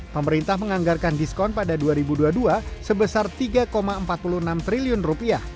pemerintah menganggarkan diskon pada dua ribu dua puluh dua sebesar rp tiga empat puluh enam triliun